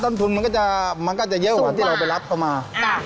เส้นสดเนี่ยต้นทุนมันก็จะเยอะกว่าที่เราไปรับเข้ามา